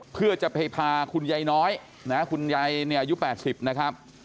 เพื่อจะไปพาคุณยายน้อยนะคุณยายเนี่ยอายุ๘๐นะครับ